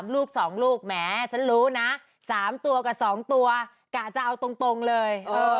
ลูก๒ลูกแหมฉันรู้นะ๓ตัวกับ๒ตัวกะจะเอาตรงเลย